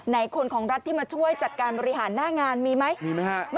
คนของรัฐที่มาช่วยจัดการบริหารหน้างานมีไหมมีไหมฮะ